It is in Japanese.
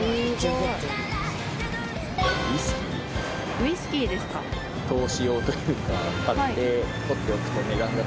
ウイスキーですか。